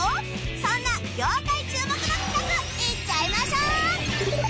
そんな業界注目の企画いっちゃいましょう！